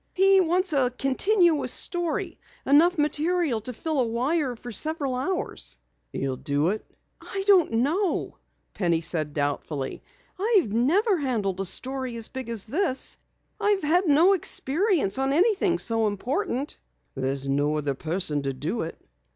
"He wants a continuous story enough material to fill a wire for several hours." "You'll do it?" "I don't know," Penny said doubtfully. "I've never handled a story as big as this I've had no experience on anything so important." "There's no other person to do it."